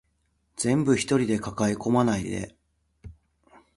全部一人で抱え込まないで